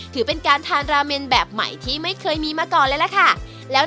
ถือเป็นการทานราเมนแบบใหม่ที่ไม่เคยมีมาก่อนเลยล่ะค่ะ